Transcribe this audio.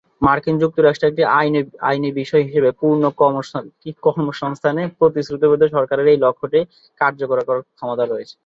মার্কিন যুক্তরাষ্ট্রে একটি আইনি বিষয় হিসাবে, পূর্ণ কর্মসংস্থানের প্রতিশ্রুতিবদ্ধ; সরকারের এই লক্ষ্যটি কার্যকর করার ক্ষমতা রয়েছে।